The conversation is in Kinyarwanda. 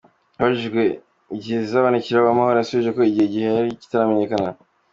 Abajijwe igihe zizabonekera, Uwamahoro yasubije ko igihe igihe kitaramenyekana.